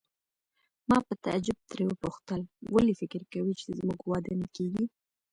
ما په تعجب ترې وپوښتل: ولې فکر کوې چې زموږ واده نه کیږي؟